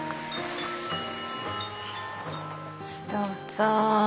どうぞ。